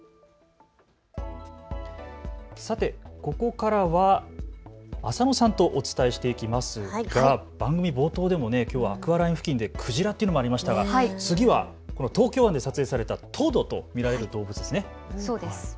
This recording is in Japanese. さて、ここからは浅野さんとお伝えしていきますが番組冒頭でもきょうはアクアライン付近でクジラというのもありましたが、次は東京湾で撮影されたトドと見られる動物ですね。